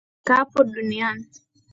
Nikaapo dunia,